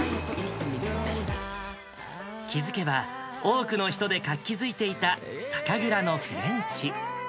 気付けば多くの人で活気づいていた、酒蔵のフレンチ。